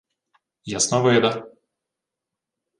— Ясновида.